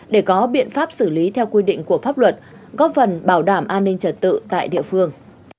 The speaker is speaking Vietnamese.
để có biện pháp xử lý theo quy định của pháp luật góp phần bảo đảm an ninh trật tự tại địa phương